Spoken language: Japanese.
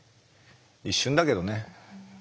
一瞬だけどね。